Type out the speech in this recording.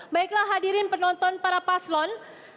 baiklah hadirin penonton para paslon